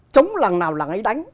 chống làng nào làng ấy đánh